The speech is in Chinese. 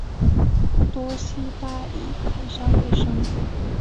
多希巴以垦山为生。